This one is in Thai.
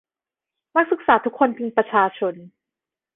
นักศึกษาทุกคนเป็นประชาชน